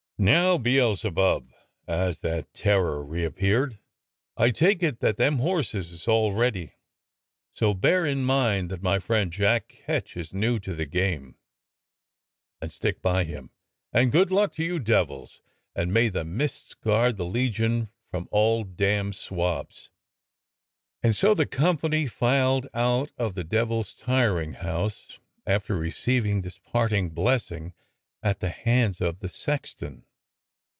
Now, Beelzebub," as that terror reappeared, THE DEVIL'S TIRING HOUSE 195 "I take it that them horses is all ready; so bear in mind that my friend Jack Ketch is new to the game, and stick by him, and good luck to you devils, and may the mists guard the legion from all damned swabs!" And so the company filed out of the Devil's Tiring House after receiving this parting blessing at the hands of the sex ton.